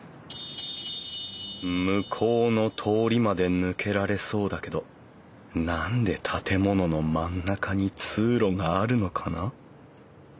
向こうの通りまで抜けられそうだけど何で建物の真ん中に通路があるのかな？